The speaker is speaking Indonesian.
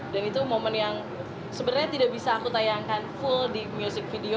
dan itu momen yang sebenarnya tidak bisa aku tayangkan full di music video